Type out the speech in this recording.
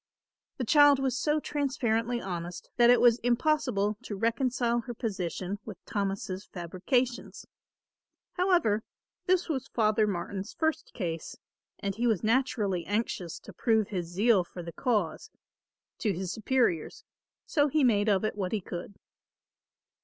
The child was so transparently honest that it was impossible to reconcile her position with Thomas' fabrications. However, this was Father Martin's first case and he was naturally anxious to prove his zeal for the cause, to his superiors, so he made of it what he could.